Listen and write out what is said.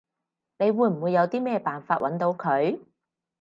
你會唔會有啲咩辦法搵到佢？